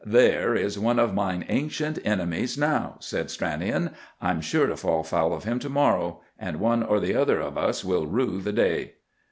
"There is one of mine ancient enemies now," said Stranion. "I'm sure to fall foul of him tomorrow, and one or the other of us will rue the day!"